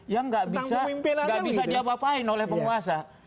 yang nggak bisa diapa apain oleh penguasa